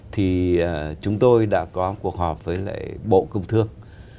thì chúng tôi đã có cuộc họp với lại bộ công thương